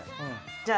じゃあ。